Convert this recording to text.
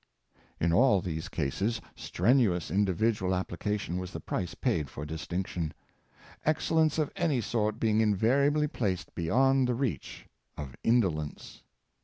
In all these cases strenuous individual application was the price paid for distinction — excellence of any sort be ing invariably placed beyond the reach of indolence.